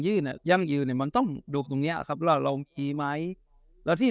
ยืนยังยืนมันต้องดูตรงเนี้ยครับแล้วเรากี่ไหมแล้วที่